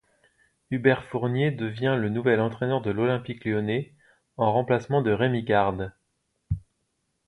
Hubert Fournier devient le nouvel entraîneur de l'Olympique lyonnais, en remplacement de Rémi Garde.